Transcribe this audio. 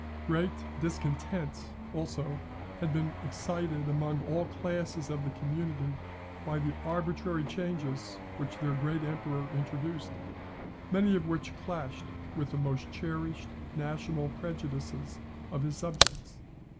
Great discontent, also, had been excited among all classes of the community by the arbitrary changes which their great emperor introduced, many of which clashed with the most cherished national prejudices of his subjects.